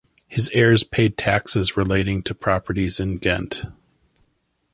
His heirs paid taxes relating to properties in Ghent.